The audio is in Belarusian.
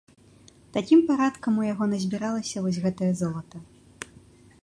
Такім парадкам у яго назбіралася вось гэтае золата.